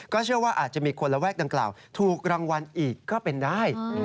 เชื่อว่าอาจจะมีคนระแวกดังกล่าวถูกรางวัลอีกก็เป็นได้